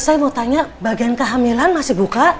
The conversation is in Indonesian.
saya mau tanya bagian kehamilan masih buka